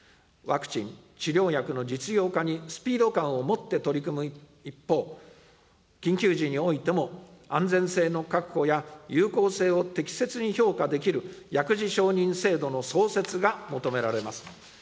ワクチン、治療薬の実用化にスピード感を持って取り組む一方、緊急時においても、安全性の確保や有効性を適切に評価できる薬事承認制度の創設が求められます。